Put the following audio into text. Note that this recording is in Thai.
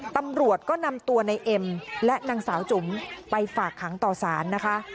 ตำรวจก็นำตัวในเอ็มและนางสาวจุ๋มไปฝากขังต่อสารนะคะ